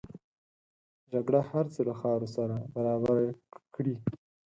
جګړه هر څه له خاورو سره برابر کړي